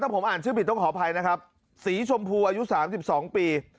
ผมอ่านชื่อผิดต้องขออภัยนะครับสีชมพูอายุ๓๒ปี